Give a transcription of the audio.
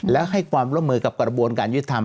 และให้ความร่วมมือกับกระบวนการยุติธรรม